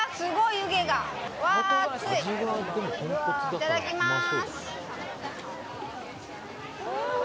いただきます。